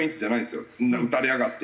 打たれやがって！